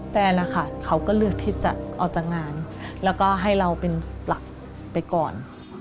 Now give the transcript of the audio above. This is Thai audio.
แฟนนะคะเขาก็เลือกที่จะออกจากงานแล้วก็ให้เราเป็นหลักไปก่อน